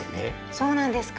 そうなんですか。